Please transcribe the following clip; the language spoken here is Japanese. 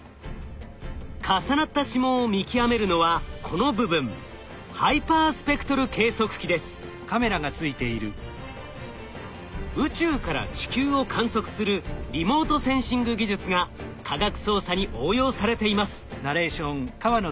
重なった指紋を見極めるのはこの部分宇宙から地球を観測するリモートセンシング技術が科学捜査に応用されています。